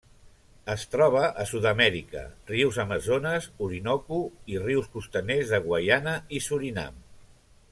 Es troba a Sud-amèrica: rius Amazones, Orinoco, i rius costaners de Guaiana i Surinam.